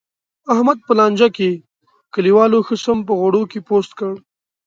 احمد په لانجه کې، کلیوالو ښه سم په غوړو کې پوست کړ.